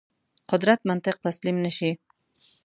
قدرت منطق تسلیم نه شي.